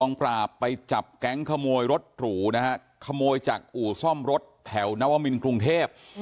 ปราบไปจับแก๊งขโมยรถหรูนะฮะขโมยจากอู่ซ่อมรถแถวนวมินกรุงเทพ